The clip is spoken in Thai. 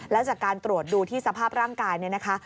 แล้วจากการตรวจดูที่สภาพร่างกายเนี่ยนะคะ